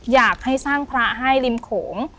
อยากให้สร้างพระให้ริมโขง